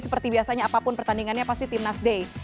seperti biasanya apapun pertandingannya pasti timnas day